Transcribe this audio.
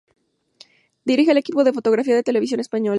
Dirige el Equipo de Fotografía de Televisión Española.